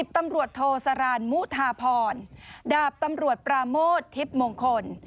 ตำรวจโทสารานมุทาพรดาบตำรวจปราโมททิพย์มงคล